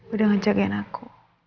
udah ngejagain aku